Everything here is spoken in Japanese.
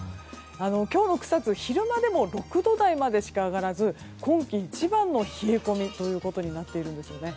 今日の草津、昼間でも６度台までしか上がらず今季一番の冷え込みとなっているんですね。